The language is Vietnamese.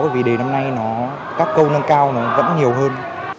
vì đề năm nay nó các câu nâng cao nó vẫn nhiều hơn